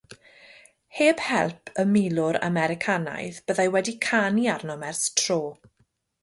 Heb help y milwr Americanaidd, byddai wedi canu arnom ers tro.